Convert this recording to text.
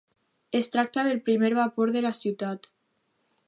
Es tracta del primer vapor de la ciutat.